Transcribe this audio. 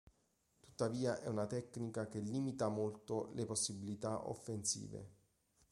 Tuttavia è una tecnica che limita molto le possibilità offensive.